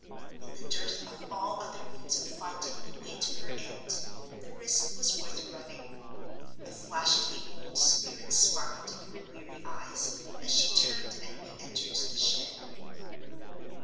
In the dearth of all other means of finding the way to her end, the risk was worth running. A flash of the old spirit sparkled in her weary eyes as she turned and re entered the shed.